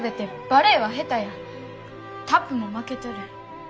タップも負けとる。